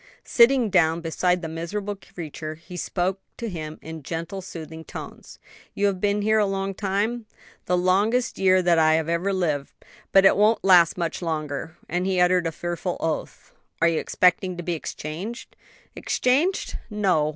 Sitting down beside the miserable creature, he spoke to him in gentle, soothing tones. "You have been here a long time?" "The longest year that ever I lived! but it won't last much longer," and he uttered a fearful oath. "Are you expecting to be exchanged?" "Exchanged! no.